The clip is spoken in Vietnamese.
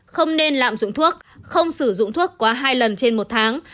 không nên lạm dụng thuốc không sử dụng thuốc quá hai lần trên một tháng